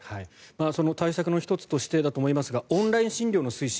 その対策の１つとしてだと思いますがオンライン診療の推進